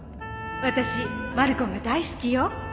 私まる子が大好きよ